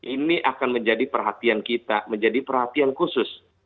ini akan menjadi perhatian kita menjadi perhatian khusus